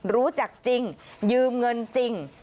รู้จักจริงยืมเงินจริง